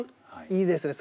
いいですね